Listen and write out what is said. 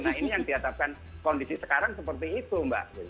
nah ini yang dihadapkan kondisi sekarang seperti itu mbak